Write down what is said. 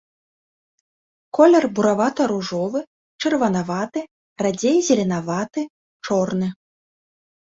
Колер буравата-ружовы, чырванаваты, радзей зеленаваты, чорны.